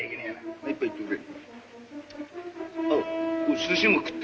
もう一杯いっとくれ。